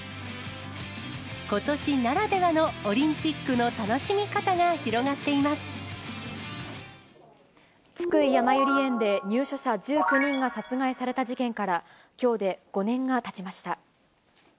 ことしならではのオリンピッ津久井やまゆり園で入所者１９人が殺害された事件からきょうで５年がたちました。